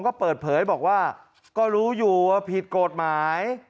ก็เปิดเผยบอกว่าก็รู้อยู่ว่าผิดกฎหมาย